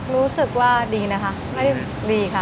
รู้สึกว่าดีนะคะไม่ดีค่ะ